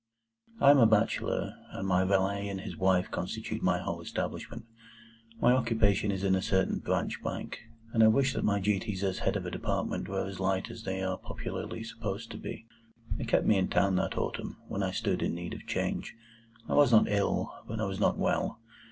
I am a bachelor, and my valet and his wife constitute my whole establishment. My occupation is in a certain Branch Bank, and I wish that my duties as head of a Department were as light as they are popularly supposed to be. They kept me in town that autumn, when I stood in need of change. I was not ill, but I was not well.